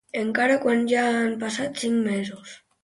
Encara ara, quan ja han passat cinc mesos